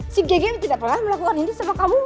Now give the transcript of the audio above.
si gege ini tidak pernah melakukan ini sama kamu